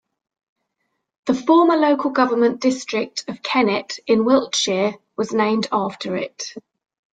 The former local government district of Kennet in Wiltshire was named after it.